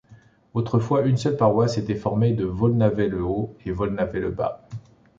Autrefois, une seule paroisse était formée par Vaulnaveys-le-Haut et Vaulnaveys-le-Bas.